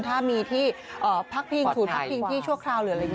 ถ้ามีที่พักพิงสูตรพักพิงที่ชั่วคราว